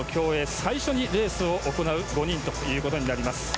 最初にレースを行う５人ということです。